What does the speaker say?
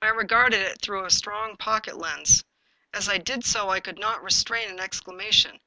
I regarded it Jthrough a strong pocket lens. As I did so I could not restrain an exclamation.